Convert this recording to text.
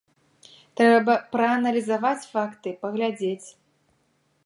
Трэба прааналізаваць факты, паглядзець.